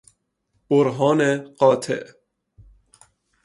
برهان قاطع